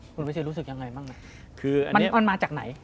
คุณวิสิทธิ์รู้สึกยังไงบ้างมันมาจากไหน